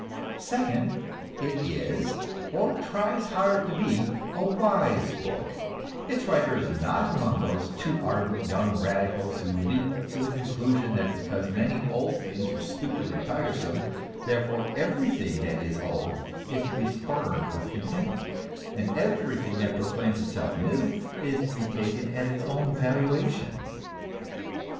Second, it is, or tries hard to be, a wise book; its writer is not among those too ardent young radicals who leap to the conclusion that because many old things are stupid and tiresome, therefore everything that is old is to be spurned with contempt, and everything that proclaims itself new is to be taken at its own valuation.